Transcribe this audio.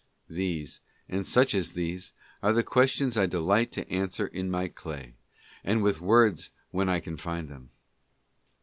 These, and such as these, are the questions I delight to answer in my clay, and with words when I can find them.